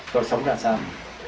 tôi sống ra sao